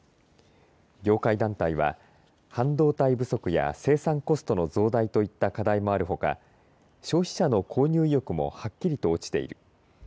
業界団体は半導体不足や生産コストの増大といった課題もあるほか消費者の購入意欲もはっきりと落ちている。